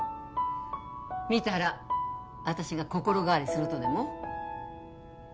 見たら私が心変わりするとでも？